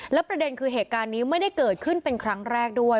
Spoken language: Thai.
และประเด็นคือเหตุการณ์นี้ไม่ได้เกิดขึ้นเป็นครั้งแรกด้วย